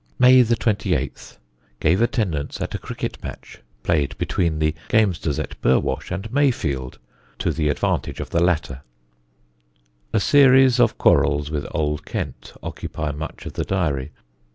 "May 28th. Gave attendance at a cricket match, played between the gamesters at Burwash and Mayfield to the advantage of the latter." [Sidenote: OLD KENT] A series of quarrels with old Kent occupy much of the diary.